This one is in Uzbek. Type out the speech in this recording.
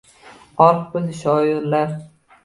Orif bo’ldi shoirlar.